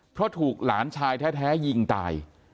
เพราะถูกหลานชายแท้ยิงตาย